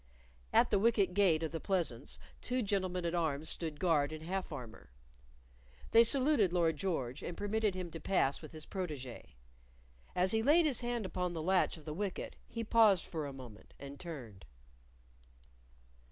At the wicket gate of the pleasance two gentlemen at arms stood guard in half armor; they saluted Lord George, and permitted him to pass with his protege. As he laid his hand upon the latch of the wicket he paused for a moment and turned.